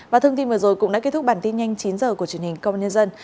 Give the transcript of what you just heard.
và thông tin vừa rồi cũng đã kết thúc bản tin nhanh chín h của truyền hình công an nhân dân